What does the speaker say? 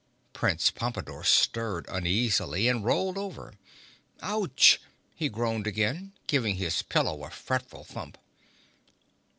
Prince Pompadore stirred uneasily and rolled over. "Ouch!" he groaned again, giving his pillow a fretful thump.